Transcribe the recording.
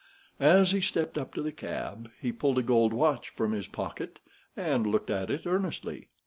As he stepped up to the cab, he pulled a gold watch from his pocket and looked at it earnestly.